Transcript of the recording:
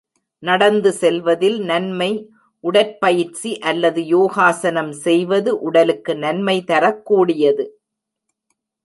நடந்து செல்வதில் நன்மை உடற்பயிற்சி அல்லது யோகாசனம் செய்வது உடலுக்கு நன்மை தரக் கூடியது.